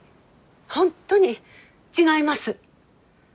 本当に違います。